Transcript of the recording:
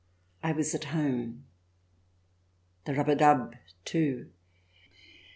I was at home. The rub a dub, too.